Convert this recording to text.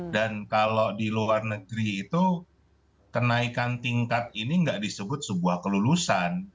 dan kalau di luar negeri itu kenaikan tingkat ini nggak disebut sebuah kelulusan